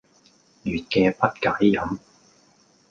月既不解飲，